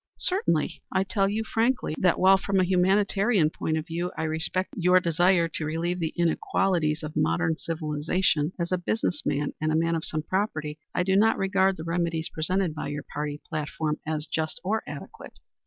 "Certainly. I tell you frankly that while, from a humanitarian point of view, I respect your desire to relieve the inequalities of modern civilization, as a business man and a man of some property I do not regard the remedies presented by your party platform as just or adequate.